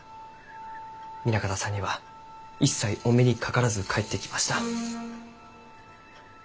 南方さんには一切お目にかからず帰ってきました。